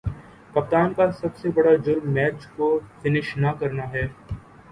کپتان کا سب سے برا جرم میچ کو فنش نہ کرنا ہے